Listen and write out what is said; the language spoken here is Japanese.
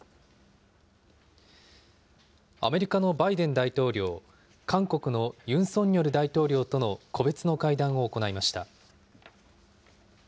アメリカのバイデン大統領、韓国のユン・ソンニョル大統領との個別の会談を行いました。